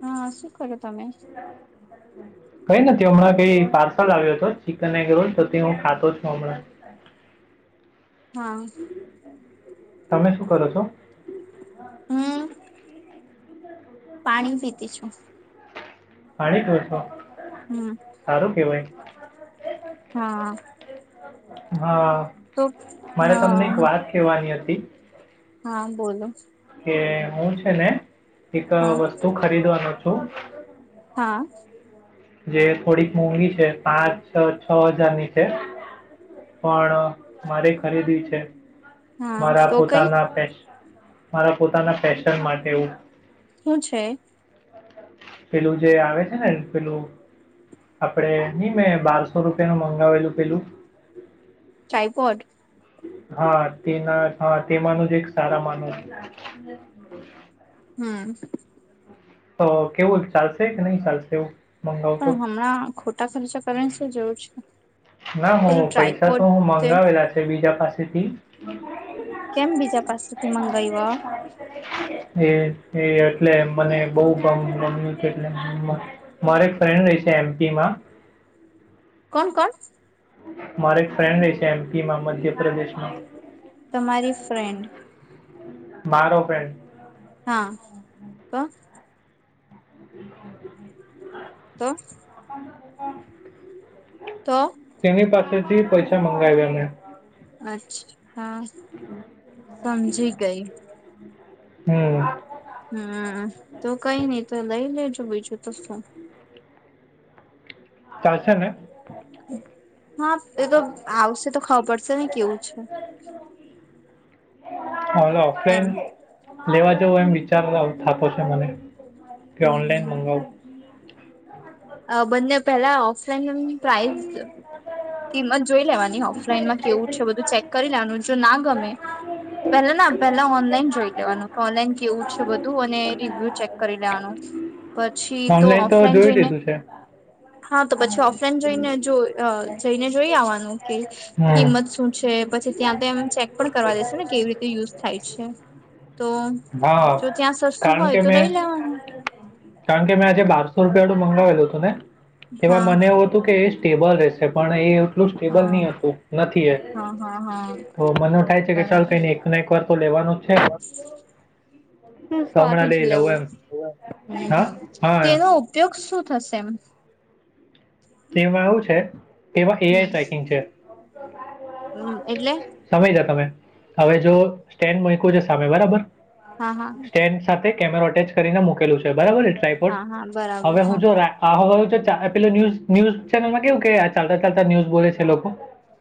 હા શું કર્યું તમે? કઈ નથી હમણાં કઈ પાર્સલ આવ્યો હતો ચિકન એગરોલ હું ખાતો તો હમણાં. [inaudible] હા. તમે શું કરો છો? હમ. પાણી પીતી છું. પાણી પીવો છો હમ સારું કેવાય. હા હા તો મારે તમને એક હા વાત કેહેવાની હતી. હા બોલો. કે હું છે ને એક હા વસ્તુ ખરીદવાનો છું. હા. જે થોડીક મોંઘી છે પાંચ છ છ હજારની છે. પણ મારી ખરીદી છે હા મારા તો કઈ પોતાના મારા પોતાના ફેશન માટે એવું શું છે? પેલું જે આવે છે ને પેલું આપડે ની મેં બારસો રૂપિયા નું મંગાવેલું પેલું ટ્રાયપોડ હા તેના હા તેમાંનું જ એક સારા માનું હમ. તો કેવું ચાલશે કે નહી ચાલશે એવું. મંગાવું તો પણ હમણાં ખોટા ખર્ચા કરવાની શું જરૂર છે. ના હ પેલું પૈસા ટ્રાયપોડ તો તે મગાવેલા છે બીજા પાસેથી. કેમ બીજા પાસેથી મંગાવ્યા હે. એ એટલે મને બહુ‌ ગમતું ન હતું એ મારે એક ફ્રેન્ડ રે એમ પી માં. [inaudible] કોણ કોણ. મારે એક ફ્રેન્ડ રે છે એમપી માં મધ્ય તમારી ફ્રેન્ડ. મારો ફ્રેન્ડ. હા તો. [inaudible] તો. તો તેની પાસેથી પૈસા મંગાવ્યા ને. અચ્છા સમજી ગઈ. હમ. હમ તું કઈ નઈ તો લઈ લેજો બીજું તો શું. ચાલશે ને. હા એ તો આવશે તો ખબર પડશે ને કેવું છે. હલો ઓફલાઈન એમ લેવા જવો એમ વિચાર થાતો છે મને. કે ઓનલાઈન મંગાવ. બંને પેલા ઓફલાઈન એમ પ્રાઇઝ. કિંમત જોઈ લેવાની ઓફલાઈનમાં કેવું છે બધું ચેક કરી લેવાનું જો ના ગમે. પેલા ના પેલા ઓનલાઈન જોઈ લેવાનું કે ઓનલાઈન કેવું છે બધું અને રિવ્યુ ચેક કરી લેવાનું. પછી તો ઓનલાઈન ઓફલાઈન જોઈ જોઈને લીધું છે હા તો પછી ઓફલાઈન. જઈને જો અ. જઈને જોઈ આવવાનું કે હમ કિંમત શું છે પછી ત્યાં તો એમ ચેક પણ કરવા દેશે ને કેવી રીતે. યુઝ થાય છે તો જો હા, ત્યાં સસ્તું કારણ હોય કે તો લઈ મેં લેવાનું. કારણ કે મેં આજે બારસો રૂપિયાનું મંગાવેલું હતું ને. તેમાં હા. મને એવું હતું કે એ સ્ટેબલ રહેશે પણ એ. એટલું સ્ટેબલ હા નહી હતું નથી એ હા હા હા તો મને થાય છે કે ચાલ બરાબર કઈને એક ના એક વાર તો લેવા. વાનું છે. હ તો હમણાં સારું જ લઈ લઉં લેવું એમ. હમ હા, હમ તે હા, એનો ઉપયોગ શું થશે એમ. તેમાં આવું છે એમાં હમ એઆઈ ટ્રેકિંગ છે. હમ એટલે. સમયજા તમે. હવે જો સ્ટેન્ડ મુયકુ છે સામે બરાબર. હા હા. સ્ટેન્ડ સાથે કેમેરો અટેચ કરીને મુકેલું છે બરાબર ટ્રાયપોડ હા હા બરાબર હવે હું હા જો રા પાવ પેલો ન્યૂઝ ન્યૂઝ ચેનલમાં કેવું કે ચાલતા ચાલતા ન્યૂઝ બોલે છે લોકો.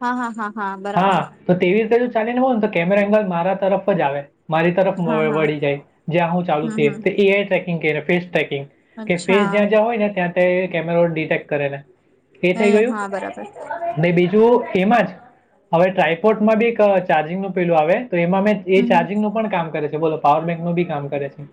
હા હા હા બરાબર હા તો તેવી રીતે ક જુ ચાલીને હોય ને તો કેમેરા એંગલ મારા તરફ જ આવે. મારી તરફ હા વ હા વળી જાય જ્યાં હું ચાલુ હમ થ હમ તો એ આઈ ટ્રેકિંગ કરીને. ટ્રેકિંગ કે ફેસ અચ્છા જ્યાં જ્યાં હોય ને ત્યાં તે કેમેરા ડિટેક્ટ કરે ને. એ થઈ ગયું હા બરાબર ને બીજું. એમાં જ હવે ટ્રાયપોર્ટમાં બી એક ચાર્જિંગ નું પેલું આવે. તો એમાં મેં એ હમ હમ ચાર્જિંગ નું પણ કામ કરે છે બોલો પાવર બેંક નું બી કામ કરે છે.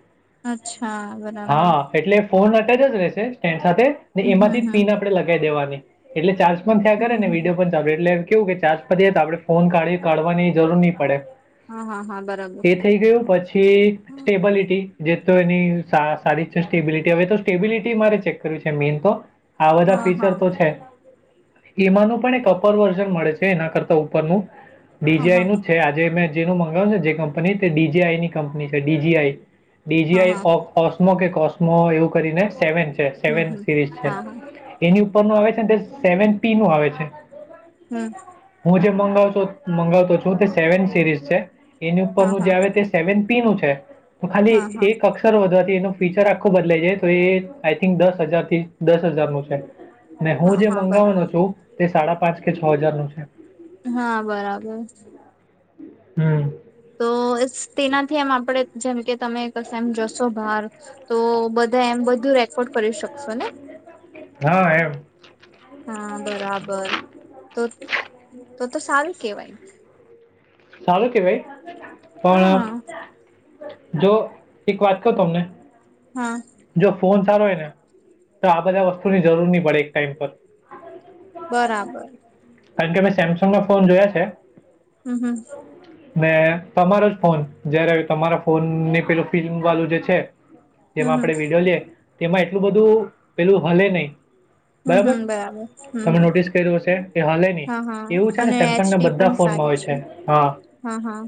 અચ્છા બરાબર. હા એટલે ફોન અટેચ જ જ રહેશે સ્ટેન્ડ સાથે ને હમ હમ એમાંથી. હમ લગી દેવાની એટલે ચાર્જ પણ થયા કરે હમ ને હમ વિડીયો પણ ચાલે એટલે. કેવું કે ચાર્જપતિએ તો આપણે ફોન કાઢી કાઢવાની જરૂર નહી પડે હા હા હા બરાબર એ થઈ ગયું પછી હા સ્ટેબલિટી જે તો એની સારી છે સ્ટેબિલિટી હવે તો સ્ટેબિલિટી મારે ચેક કરવી છે મેઇન તો આ બધા હા ફીચર હા તો છે એમાંનું પણ એક અપર વર્ઝન મળે છે એના કરતા ઉપરનું હા બિજાઇનુ જ છે આજે જેનું મંગાવને જે કંપની તે ડી જી આઈ ની કંપની છે ડી જી આઈ હા ડીજીઆઈ હા ઓસ્મો કે કોસ્મો એવું કરીને સેવન છે હમ સેવન હમ સિરીઝ છે હા હા ની ઉપર નું આવે છે ને તે સેવન પી નું આવે છે હમ્મ હું જે મંગાવતો છું તે સેવન સિરીઝ છે એની હા ઉપરનું જે હા આવે તે સેવન નું છે તો હા ખાલી હા એક અક્ષર વધારે એ ફુચર આખો બદલાઈ જાય તો એ આઈ થિક દસ હજાર થી દસ હજાર નું છે હું હા જે હા બરાબર મંગાવવાનો છું તે સાડા પાંચ કે છ હાજાર નું છે હા બરાબર હમ્મ. તો સ- તેનાથી એમ આપડે જેમ કે તમે કશ એમ જશો બહાર તો બધા એમ બધા બધું રેકોર્ડ કરી શકશો ને હા એમ હા બરાબર તો તો તો સારું કેવાય સારું કેવાય હા પણ જો એક વાત કહું તમને હા જો ફોન સારો હોય ને તો આ બધા વસ્તુની જરૂર નહી પડે એક ટાઈમ પર બરાબર કારણ કે મે સેમસંગ નો ફોન જોયા છે હમ્મ-હમ્મ. ને તમારો જ ફોન જારે તમારા ફોન ની પેલું ફિલ્મ વાળું જે છે જેમાં હમ હમ આપણેે વિડીયો લઈએ, તેમાં એટલું બધું પેલું હલે નહી. હમ હમ બરાબર હમ તમે હમ નોટિસ કર્યું હશે એ હાલે નહીં હા હા એવું છે ને અને સેમસંગ ના બધા ફોનમાં હોય છે છે હા હા-હા.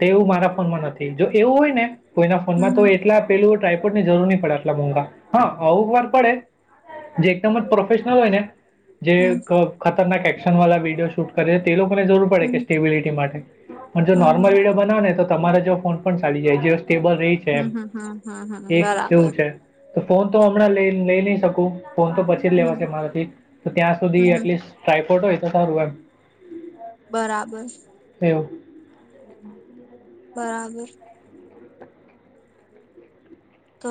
તે એવું મારા ફોનમાં નથી જો એવું હોય ને કોઈના હમ ફોનમાં તો હમ એટલા પેલું ટાઈપ જરૂર નહી પડે આટલા મોંગા હા અમુક વાર પડે જે એકદમ જ પ્રોફેશનલ હોય ને જે હમ ખતરનાક એક્શન વાળા વિડીયો શૂટ કરે છે તે લોકો જરૂર પડે કે હમ સ્ટેબિલિટી માટે પણ જો હમ નોર્મલ હમ વિડીયો બનાવો ને તો તમારે જો ફોન પણ ચાડી જાય સ્ટેબલ રહી છે એમ હમ્મ-હમ્મ. હા-હા. એક એવું છે તો ફોન તો હમણાં લઈ લઈ નહી શકું ફોન તો પછી જ હમ લેવાશે હમ મારાથી તો ત્યાં સુધી હમ હમ એટલીસ્ટ ટ્રાયકોર્ટ હોય તો સારું એમ બરાબર એવો બરાબર તો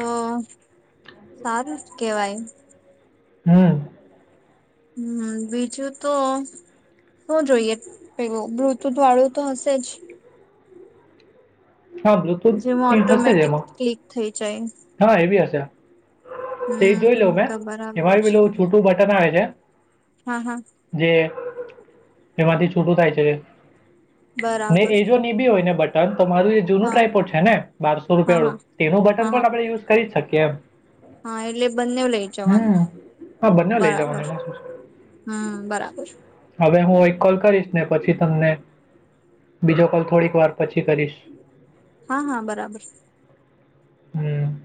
સારું જ કેવાય હા હમ્મ. બીજું તો શું જોઈએ પેલુ બ્લુટુથ વાળું તો હશે જ હા બ્લુટુથ જેમાં હશે જ ઓટોમેટિક એમાં ક્લિક થઈ જાય હા એવી હશે તે જોઈ હમ લઉં મેં તો બરાબર એમાં છે પેલું છોટું બટન આવે છે હા હા જે એમાંથી છૂટું થાય છે નહી બરાબર એ જો બી હોય ને બટન તો મારું જૂનું હા ટ્રાયપોર્ડ છે ને બારસો હા રૂપિયા હા વાળું તેનું હા બટન હા પણ આપણે યુઝ કરી શકીએ એમ હા એટલે બંને લઇ જવાનું હમ હા બંને લઈ જવાનું બરાબર! એમાં શું છે. હમ બરાબર! પણ હું એક કોલ કરીશ ને પછી તમને બીજો કોલ થોડીક વાર પછી કરીશ. હા હા બરાબર! હમ!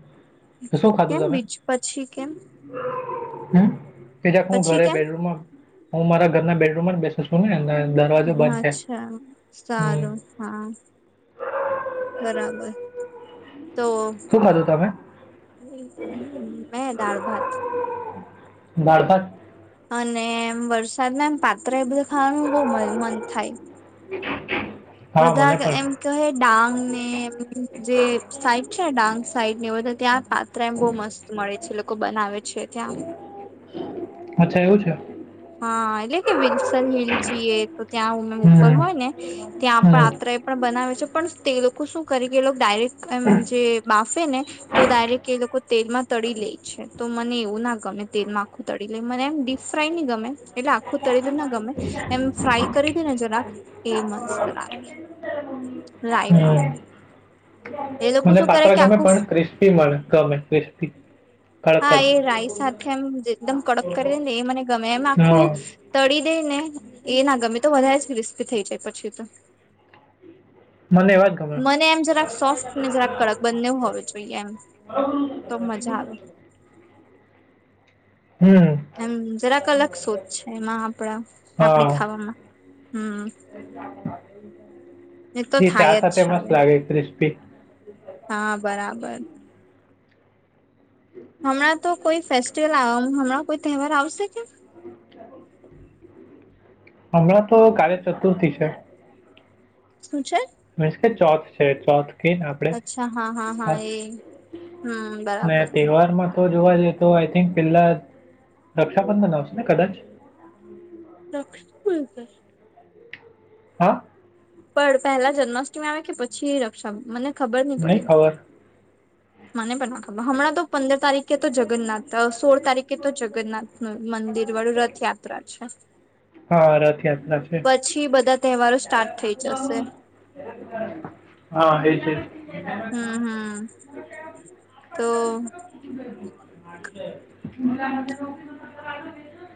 તો શું ખાધું કેમ તમે બીજ પછી કેમ હમ તેજાક હું પછી ઘરે કેમ બેડમમાં હું મારા ઘરના બેડરૂમ માં બેચ [inaudible] સ છું ને અને દરવાજો બંધ હા છે અચ્છા હમ સારું હા! બરાબર! તો શું ખાધું તમે [unintelligible] મે દાળ ભાત દાળભાત? અને એમ વરસાદના એમ પાત્ર એ બધું ખાવાનું બહ મન થાય. [inaudible] બધા મને જ પણ એમ કહે ડાંગ ને એમ જે સાઈટ છે ડાંગ વ તો ત્યાં પાત્રા એમ બહુ મસ્ત મળે છે. લોકો બનાવે છે ત્યાં અચ્છા એવું છે. હા એટલે કે વિલસર હિલ જઈએ તો ત્યાં ઉમે ઉપર હમ હોય ને ત્યાં પણ હમ આત્રે એ પણ બનાવે છે પણ તે લોકો શું કરી કે એ લોકો ડાયરેક્ટ એમ જે બાફે ને તો ડાયરેક્ટ એ લોકો તેલમાં તળી લે છે. તો મને એવું ના ગમે તેલ આખું તળી લે મને એમ ડીપ ફ્રાય નહી ગમે. એટલે આખું તરી દને ન ગમે એમ ફ્રાય કરી દે ને જરાક એ મસ્ત લાગે. રાયમાં હમ. મને પાત્ર ગમે પણ ક્રિસ્પી મ ગમે ક્રિસ્પી, હા કડકડ એ રાઈ સાથે એમ એકદમ કડક કરી દે ને એ મને ગમે એમ આખું હા તળી દે ને એ ના ગમે તો વધારે જ ક્રિસ્પી થઈ જાય પછી તો મને એવા જ ગમે મને એમ જરાક સોફ્ટ ને જરાક કડક બંને હોવી જોઈએ એમ. તો મજા આવે. હમ એમ જરાક અલગ શોધ છે એમાં આપણા આપડી હા ખાવામાં હમ! [unintelligible] એ તો ચા થાય છે સાથે મસ્ત હવે, લાગે ક્રિસ્પી હા બરાબર! હમણાં તો કોઈ ફેસ્ટિવલ હમણાં કોઈ તહેવાર આવશે કેમ? [inaudible] હમણાં તો કાલે ચતુર્થી છે. શું છે? મિન્શ કે ચોથ છે ચોથ, કે ને આપણે અચ્છા હા હા હા એ, હમ મેં બરાબર તહેવાર માં તો જોવા જઈએ તો આઈ થિંક પેલા રક્ષાબંધન આવશે ને કદાચ? [unintelligible] હા? પણ પહેલા જન્માષ્ટમી આવે કે પછી રક્ષા મને ખબર નઈ નહીં પડી. ખબર મને પણ ના ખબર હમણાં તો પંદર તારીખે તો જગન્નાથ તો સોળ તારીખે તો જગન્નાથ નું મંદિર વાળું રથયાત્રા છે. હા રથયાત્રા છે. પછી બધા તહેવારો સ્ટાર્ટ થઈ જશે હા એ છે. હા હમ હમ બરાબર. તો, [inaudible]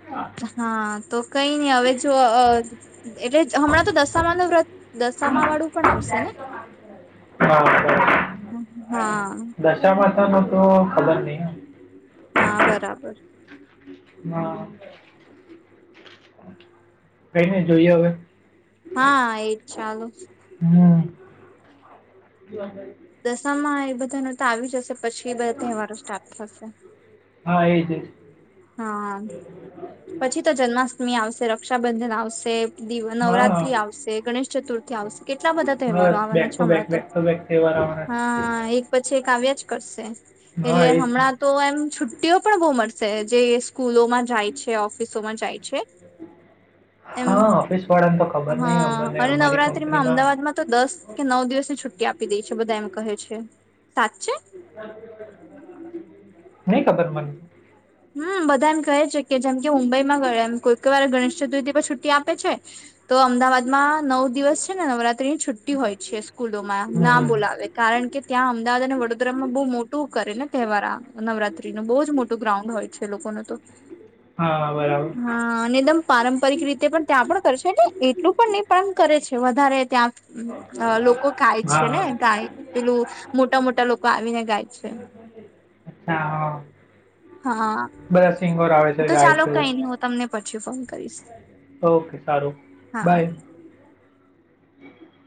હા, તો કઈ નહી હવે જો અ એટલે હમણાં તો દશામાંનું વ્રત દશામાવાળું પણ આવશે ને? [unintelligible] હમ હા. પતા નોતો ખબર નહી. હા બરાબર હા. કઈ નહી જોઈએ હવે. હા એ જ ચાલુ. હમ [inaudible] દશામાં એ બધાનું તો આવી જશે પછી બધા તહેવારો સ્ટાર્ટ થશે. હા એ જ એ જ. હા પછી તો જન્માષ્ટમી આવશે, રક્ષાબંધન આવશે દિવ હા નવરાત્રી આવશે, ગણેશ ચતુર્થી આવશે, કેટલા બધા તહેવારો બસ બેક આવવાના છે ટુ બેક હમણાં તો. બેક ટુ બેક તહેવાર આવવાના હા એક પછી એક કાવ્યા જ કરશે. છે હા એટલે એ જ ને હમણાં તો એમ છુટ્ટીઓ પણ બહુ મળશે જે સ્કૂલોમાં જાય છે, ઓફિસોમાં જાય છે એમ હા, ઓફિસવાળા હા અને નવરાત્રીમાં અમદાવાદમાં તો દસ કે નવ દિવસની છુટ્ટી આપી દે છે બધા એમ કહે છે સાચે? નહી ખબર મન. હમ બધા એમ કહે છે કે જેમ કે મુંબઈમાં ગયો એમ કોઈક વાર ગણેશ ચતુર્થી પર છુટ્ટી આપે છે. તો અમદાવાદમાં નવ દિવસ છે ને નવરાત્રીની છુટ્ટી હોય છે સ્કૂલોમાં. ના હમ બોલાવે કારણ કે ત્યાં અમદાવાદ અને વડોદરામાં બહુ મોટું કરે ને તહેવાર આ નવરાત્રીનો. બહુ જ મોટું ગ્રાઉન્ડ હોય છે લોકોને તો. હા બરાબર હા અને એકદમ પારંપરિક રીતે પણ ત્યાં પણ કરશેને? એક એટલું પણ ને પણ કરે છે વધારે ત્યાં લોકો ગાય હા છે ને હા ગાય પેલું મોટા મોટા લોકો આવીને ગાય છે. અચ્છા હા. હા બધા સિંગર આવે [unintelligible] છે તો ગાય ચાલો છે એવું કઈ નહી હું તમને પછી ફોન કરીશ ઓકે સારું હા બાય [unintelligible]